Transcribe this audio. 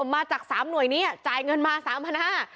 มาจากสามหน่วยนี้จ่ายเงินมาสามพันห้า